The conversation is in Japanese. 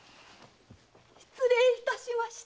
失礼いたしました！